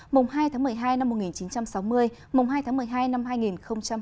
mùng hai tháng một mươi hai năm một nghìn chín trăm sáu mươi mùng hai tháng một mươi hai năm hai nghìn hai mươi